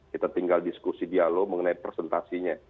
kita tinggal diskusi dialog mengenai presentasinya